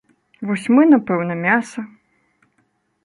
Вось мы, напэўна, мяса.